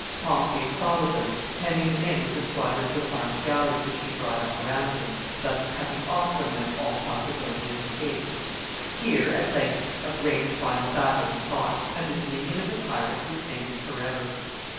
] Pompey followed them, hemming them in with the squadrons of armed galleys which he brought up around them, thus cutting off from them all possibility of escape. Here, at length, a great final battle was fought, and the dominion of the pirates was ended forever.